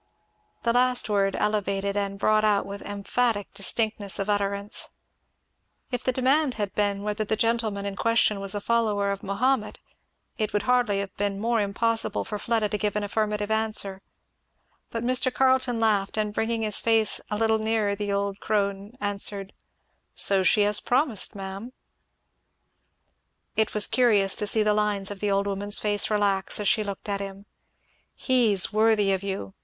_" The last word elevated and brought out with emphatic distinctness of utterance. If the demand had been whether the gentleman in question was a follower of Mahomet, it would hardly have been more impossible for Fleda to give an affirmative answer; but Mr. Carleton laughed and bringing his face a little nearer the old crone, answered, "So she has promised, ma'am." [Illustration: "Is this the gentleman that's to be your husband?"] It was curious to see the lines of the old woman's face relax as she looked at him. "He's worthy of you!